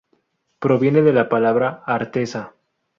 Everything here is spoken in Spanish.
Proviene de la palabra artesa.